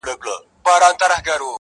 سړې اوږدې شپې به یې سپیني کړلې-